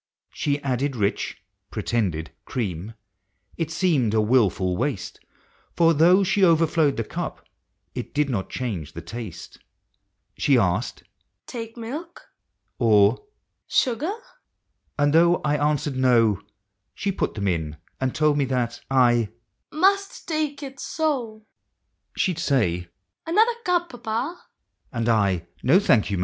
She added rich (pretended) cream — it seemed a wilful waste, For though she overflowed the cup, it did not change the taste. She asked, 44 Take milk?" or " Sugar?" and though I answered, " No," She put them in, and told me that I " must take it so!" She'd say " Another cup, Papa?" and I, "No, thank you.